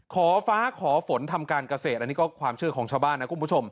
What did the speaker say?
ขอฟ้าขอฝนทำการเกษตรอันนี้ก็ความเชื่อของชาวบ้านนะคุณผู้ชม